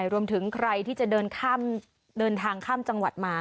รวมถึงใครที่จะเดินทางข้ามจังหวัดมา